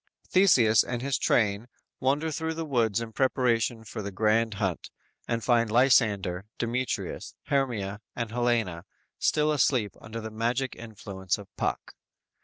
Theseus and his train wander through the woods in preparation for the grand hunt and find Lysander, Demetrius, Hermia and Helena still asleep under the magic influence of Puck.